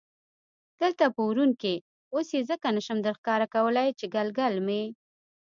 دلته په ورون کې، اوس یې ځکه نه شم درښکاره کولای چې ګلګل مې.